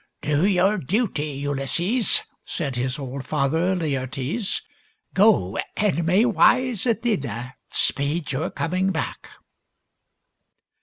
" Do your duty, Ulysses," said his old father, Laertes. " Go, and may wise Athene speed your coming back."